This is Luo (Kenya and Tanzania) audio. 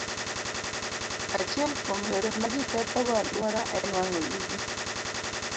Achiel kuom yore ma ji kethogo alwora en wang'o yugi.